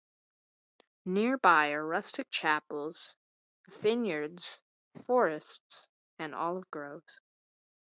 Nearby are rustic chapels, vineyards, forests and olive groves.